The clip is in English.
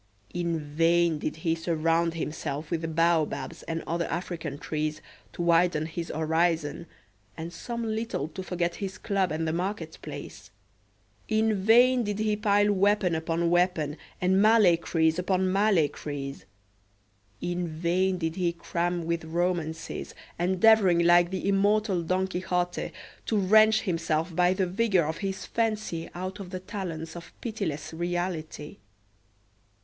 In vain did he surround himself with baobabs and other African trees, to widen his horizon, and some little to forget his club and the market place; in vain did he pile weapon upon weapon, and Malay kreese upon Malay kreese; in vain did he cram with romances, endeavouring like the immortal Don Quixote to wrench himself by the vigour of his fancy out of the talons of pitiless reality.